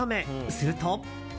すると。